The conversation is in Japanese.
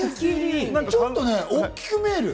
ちょっと大きく見える。